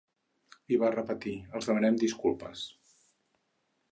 I va repetir: ‘Els demanem disculpes’.